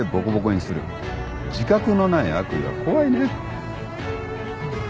自覚のない悪意は怖いね。